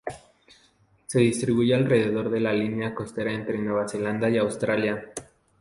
Se distribuye alrededor de la línea costera entre Nueva Zelanda y Australia.